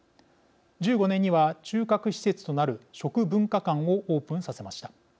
１５年には中核施設となる食文化館をオープンさせました。